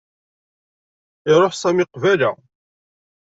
Iṛuḥ Sami qbala.